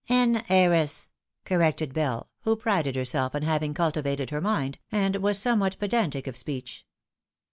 " An heiress," corrected Bell, who prided herself on having cultivated her mind, and was somewhat pedantic of speech.